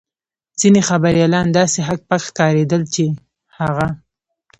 ځینې خبریالان داسې هک پک ښکارېدل چې هغه.